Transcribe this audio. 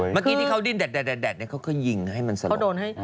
เมื่อกี้ที่เค้านี่ดินแดดเนี่ยเค้าก็ยิงให้มันสลบ